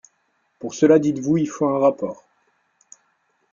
Pour cela, dites-vous, il faut un rapport.